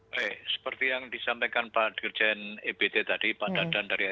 oke seperti yang disampaikan pak dirjen ebt tadi pak dandan dari sdm